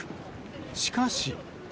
しかし。